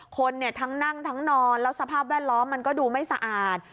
คนเนี่ยทั้งนั่งทั้งนอนแล้วสภาพแวดล้อมมันก็ดูไม่สะอาด